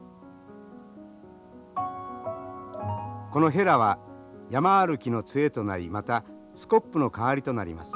このヘラは山歩きの杖となりまたスコップの代わりとなります。